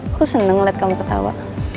aku seneng liat kamu ketawa